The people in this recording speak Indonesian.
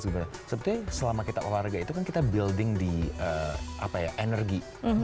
sebenarnya selama kita olahraga itu kan kita building di energi